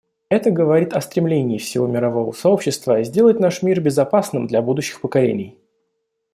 Это говорит о стремлении всего мирового сообщества сделать наш мир безопасным для будущих поколений.